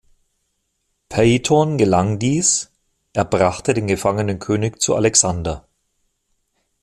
Peithon gelang dies; er brachte den gefangenen König zu Alexander.